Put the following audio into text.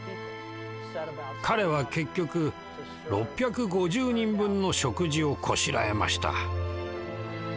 彼は結局６５０人分の食事をこしらえました。